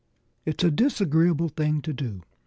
"It's a disagreeable thing to do....